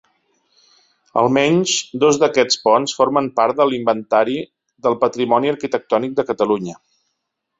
Almenys dos d'aquests ponts formen part de l'Inventari del Patrimoni Arquitectònic de Catalunya.